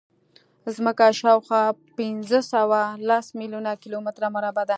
ځمکه شاوخوا پینځهسوهلس میلیونه کیلومتره مربع ده.